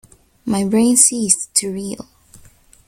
My brain ceased to reel.